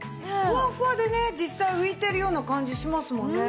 ふわふわでね実際浮いてるような感じしますもんね。